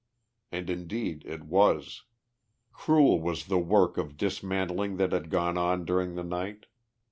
And indeed it was. Cruel was the work of dismantling that had gone on during the night.